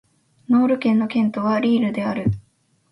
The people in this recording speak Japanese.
ノール県の県都はリールである